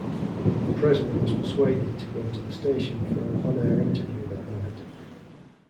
Presley was persuaded to go to the station for an on-air interview that night.